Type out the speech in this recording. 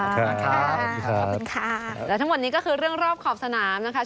ขอบคุณค่ะและทั้งหมดนี้ก็คือเรื่องรอบขอบสนามนะคะ